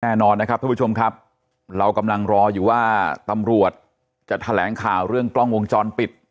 แน่นอนนะครับทุกผู้ชมครับเรากำลังรออยู่ว่าตำรวจจะแถลงข่าวเรื่องกล้องวงจรปิด